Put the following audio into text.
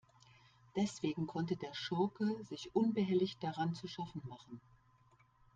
Deswegen konnte der Schurke sich unbehelligt daran zu schaffen machen.